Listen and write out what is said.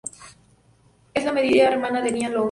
Es la media hermana de Nia Long.